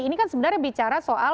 ini kan sebenarnya bicara soal